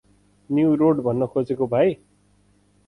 New road भन्न खोजेको भाइ?